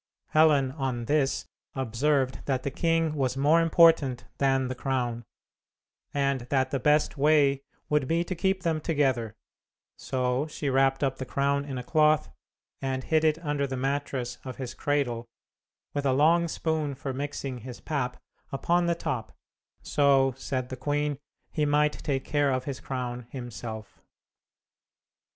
Helen, on this, observed that the king was more important than the crown, and that the best way would be to keep them together; so she wrapped up the crown in a cloth, and hid it under the mattress of his cradle, with a long spoon for mixing his pap upon the top, so, said the queen, he might take care of his crown himself.